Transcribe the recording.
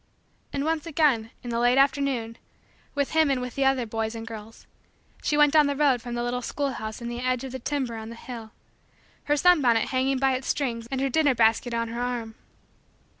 And once again, in the late afternoon, with him and with the other boys and girls, she went down the road from the little schoolhouse in the edge of the timber on the hill; her sunbonnet hanging by its strings and her dinner basket on her arm.